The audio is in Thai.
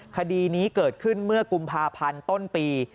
คดีนี้เกิดขึ้นเมื่อกุมภาพันธ์ต้นปี